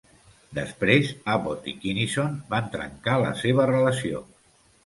Després Abbott i Kinison van trencar la seva relació.